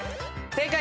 正解。